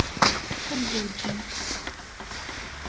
Ad zewjent.